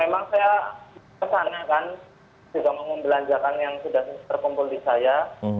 dan memang saya kesana kan juga mau membelanjakan yang sudah terkumpul di saya